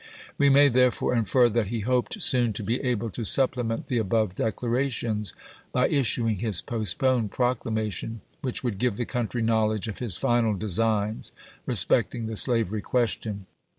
We may therefore infer that he hoped soon to be able to supplement the above declarations by issuing his postponed proclamation, which would give the country knowledge of his final designs respecting the slavery question.